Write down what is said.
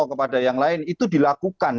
kepada yang lain itu dilakukan